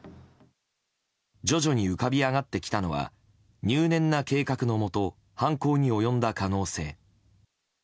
徐々に浮かび上がってきたのは入念な計画のもと犯行に及んだ可能性。